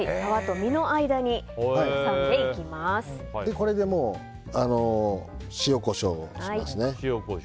これで塩、コショウをしますね。